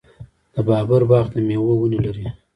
د بابر باغ د میوو ونې لري.